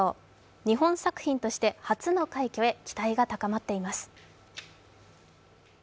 日本作品として初の快挙へ期待が高まっています。